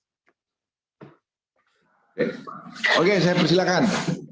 kawan kawan yang dikumpulkan